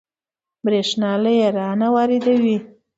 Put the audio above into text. بریښنا له ایران واردوي